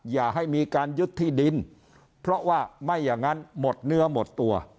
อย่าให้มีการยึดที่ดินเพราะว่าไม่อย่างนั้นหมดเนื้อหมดตัว